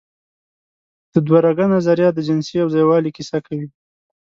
د دوهرګه نظریه د جنسي یوځای والي کیسه کوي.